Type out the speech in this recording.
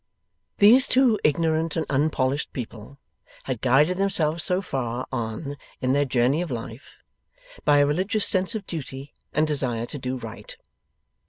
These two ignorant and unpolished people had guided themselves so far on in their journey of life, by a religious sense of duty and desire to do right.